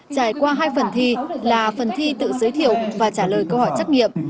trải qua hai phần thi là phần thi tự giới thiệu và trả lời câu hỏi trắc nghiệm